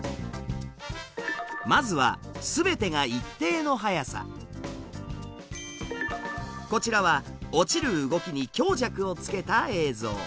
まずはすべてがこちらは落ちる動きに強弱をつけた映像。